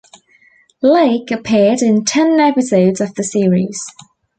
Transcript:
Leick appeared in ten episodes of the series.